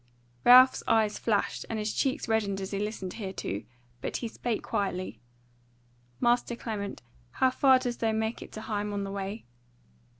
Ralph's eyes flashed, and his cheeks reddened as he listened hereto; but he spake quietly: "Master Clement, how far dost thou make it to Higham on the Way?"